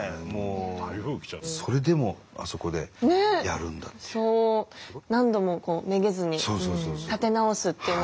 それでもあそこでやるんだっていう。